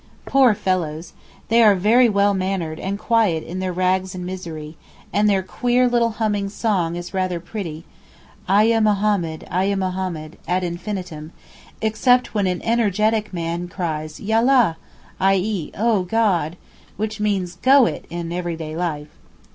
Poor fellows! they are very well mannered and quiet in their rags and misery, and their queer little humming song is rather pretty, 'Eyah Mohammad, eyah Mohammad,' ad infinitum, except when an energetic man cries 'Yallah!'—i.e., 'O God!'—which means 'go it' in everyday life.